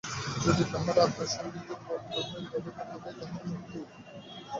যদি কাহারও আত্মা সঙ্গীতে মগ্ন হয়, তবে তাহাতেই তাহার মুক্তি।